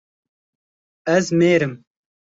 Ez mêr im.